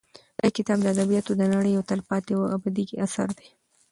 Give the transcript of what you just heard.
دا کتاب د ادبیاتو د نړۍ یو تلپاتې او ابدي اثر دی.